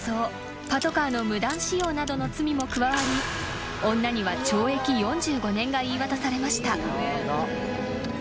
［パトカーの無断使用などの罪も加わり女には懲役４５年が言い渡されました］